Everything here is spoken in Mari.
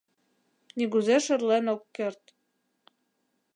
Нигузе шӧрлен ок керт.